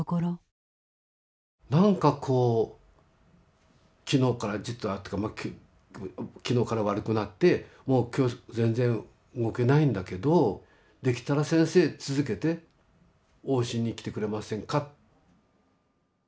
「何かこう昨日から昨日から悪くなってもう今日全然動けないんだけどできたら先生続けて往診に来てくれませんか？」。